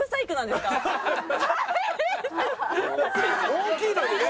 大きいのにね。